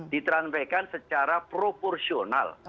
ditranspaikan secara proporsional